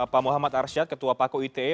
pak muhammad arsyad ketua paku ite